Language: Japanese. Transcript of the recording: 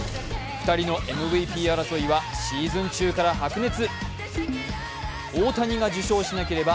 ２人のＭＶＰ争いはシーズン中から白熱。